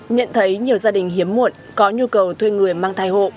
nhận thấy nhiều gia đình hiếm muộn có nhu cầu thuê người mang thai hộ